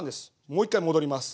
もう一回戻ります。